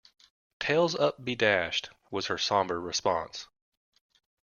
"Tails up be dashed," was her sombre response.